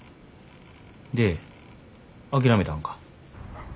で諦めたんか。